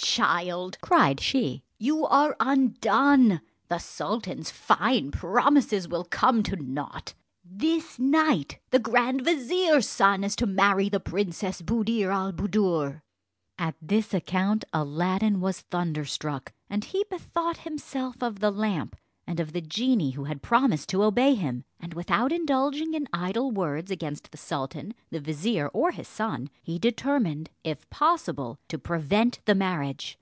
"Child," cried she, "you are undone! the sultan's fine promises will come to nought. This night the grand vizier's son is to marry the Princess Buddir al Buddoor." At this account, Aladdin was thunderstruck, and he bethought himself of the lamp, and of the genie who had promised to obey him; and without indulging in idle words against the sultan, the vizier, or his son, he determined, if possible, to prevent the marriage.